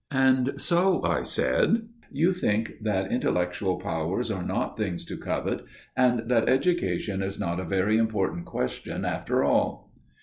"And so," I said, "you think that intellectual powers are not things to covet, and that education is not a very important question after all?"